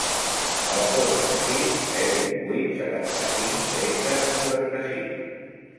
Telefona al sis, zero, vuit, setanta-cinc, tretze, quaranta-sis.